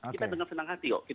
kita dengan senang hati kok